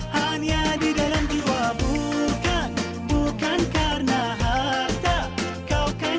hanya di dalam jiwa bukan bukan karena